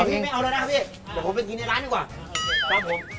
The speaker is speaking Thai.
ไม่เอาแล้วนะครับพี่เดี๋ยวผมไปกินในร้านดีกว่า